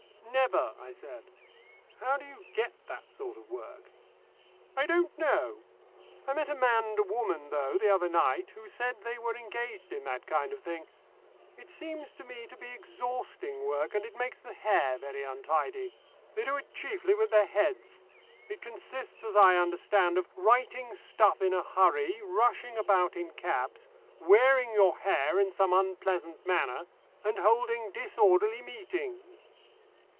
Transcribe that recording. "Never," I said. "How do you get that sort of work?" "I don't know. I met a man and a woman, though, the other night, who said they were engaged in that kind of thing. It seems to me to be exhausting work, and it makes the hair very untidy. They do it chiefly with their heads. It consists, so I understand, of writing stuff in a hurry, rushing about in cabs, wearing your hair in some unpleasant manner, and holding disorderly meetings."